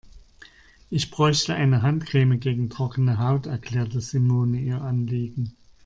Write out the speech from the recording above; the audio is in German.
Ich bräuchte eine Handcreme gegen trockene Haut, erklärte Simone ihr Anliegen.